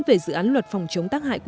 về các doanh nghiệp này